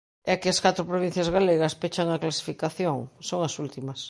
E que as catro provincias galegas pechan a clasificación, son as últimas.